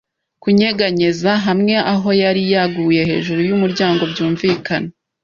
kunyeganyeza hamwe aho yari yaguye hejuru yumuryango - byumvikana,